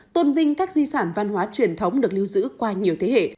tôn vinh các di sản văn hóa truyền thống được lưu giữ qua nhiều thế hệ